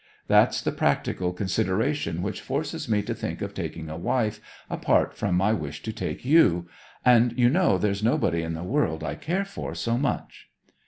That's the practical consideration which forces me to think of taking a wife, apart from my wish to take you; and you know there's nobody in the world I care for so much.'